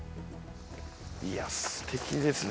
いや素敵ですね。